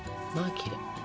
まあきれい！